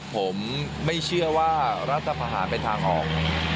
ผมไม่เชื่อว่ารัฐภาหารเป็นทางออก